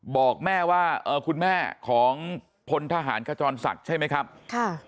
บอกแม่ว่าเอ่อคุณแม่ของพลทหารขจรศักดิ์ใช่ไหมครับค่ะ